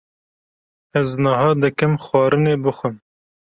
Ez niha dikim xwarinê bixwim.